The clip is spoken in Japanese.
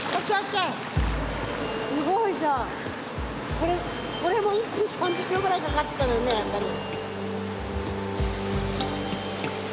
すごいじゃん。これも１分３０秒ぐらいかかってたのにね明香里。